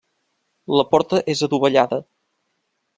La porta és adovellada.